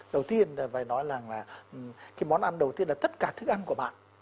đầu tiên là phải nói là cái món ăn đầu tiên là tất cả thức ăn của bạn